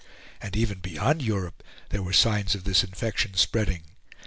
And even beyond Europe there were signs of this infection spreading.